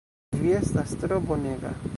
Vi estas tro bonega!